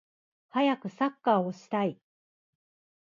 はやくサッカーをしたい